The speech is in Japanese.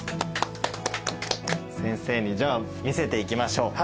先生にじゃあ見せていきましょう。